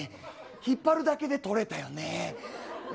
引っ張るだけで取れたよね。